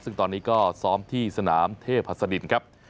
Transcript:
ซึ่งตอนนี้ก็ซ้อมที่สนามเทพหัสดินครับ